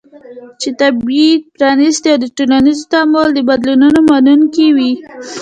چې طبیعي، پرانستې او د ټولنیز تعامل د بدلونونو منونکې وي